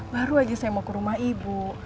baru aja saya mau ke rumah ibu